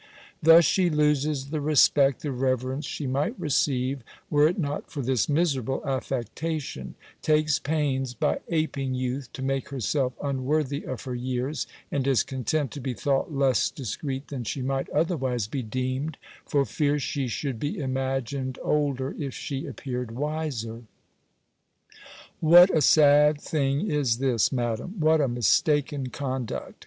Thus she loses the respect, the reverence, she might receive, were it not for this miserable affectation; takes pains, by aping youth, to make herself unworthy of her years, and is content to be thought less discreet than she might otherwise be deemed, for fear she should be imagined older if she appeared wiser. What a sad thing is this, Madam! What a mistaken conduct!